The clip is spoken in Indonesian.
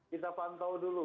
kita pantau dulu